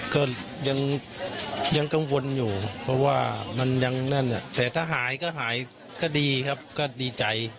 ก็ยังกังวลอยู่เพราะว่ามันยังนั่นแต่ถ้าหายก็หายก็ดีครับก็ดีใจ